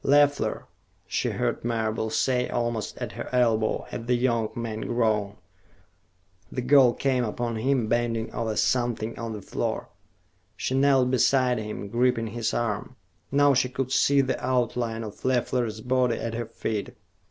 "Leffler!" she heard Marable say, almost at her elbow, and the young man groaned. The girl came upon him, bending over something on the floor. She knelt beside him, gripping his arm. Now she could see the outline of Leffler's body at her feet.